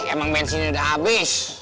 emang bensinnya udah abis